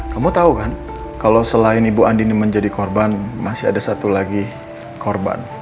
kamu tahu kan kalau selain ibu andin menjadi korban masih ada satu lagi korban